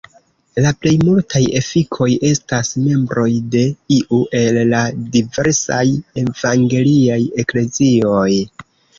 La plej multaj efikoj estas membroj de iu el la diversaj evangeliaj eklezioj.